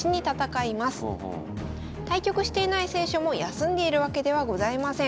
対局していない選手も休んでいるわけではございません。